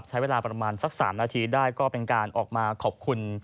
ใช้เวลาประมาณสัก๓นาทีได้ก็เป็นการออกมาขอบคุณ